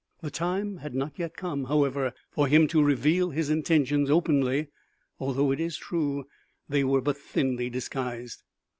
The time had not yet come, however, for him to reveal his intentions openly, although it is true they were but thinly disguised.